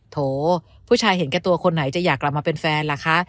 โถผู้ชายเห็นแก่ตัวคนไหนจะอยากกลับมาเป็นแฟนล่ะคะ